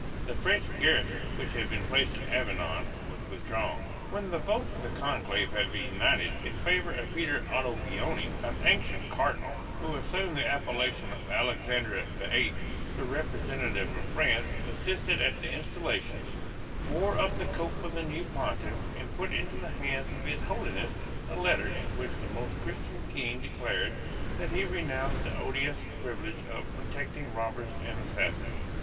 The French garrison which had been placed in Avignon was withdrawn. When the votes of the Conclave had been united in favour of Peter Ottobuoni, an ancient Cardinal who assumed the appellation of Alexander the Eighth, the representative of France assisted at the installation, bore up the cope of the new Pontiff, and put into the hands of His Holiness a letter in which the most Christian King declared that he renounced the odious privilege of protecting robbers and assassins.